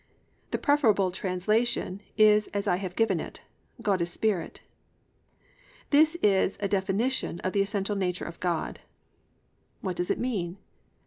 "+ The preferable translation is as I have given it: +"God is Spirit."+ This is a definition of the essential nature of God. What does it mean?